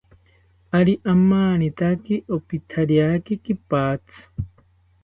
Ari amanitaki, opithariaki kipatzi